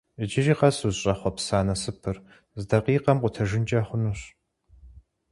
Иджыри къэс узыщӀэхъуэпса насыпыр зы дакъикъэм къутэжынкӀэ хъунущ.